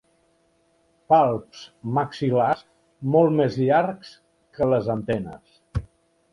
Palps maxil·lars molt més llargs que les antenes.